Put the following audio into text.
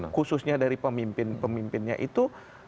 khususnya dari pemimpin pemimpinnya itu